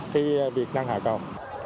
khi việc ngăn hạ cầu